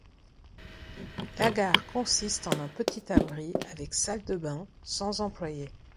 La gare consiste en un petit abri avec salles de bains, sans employés.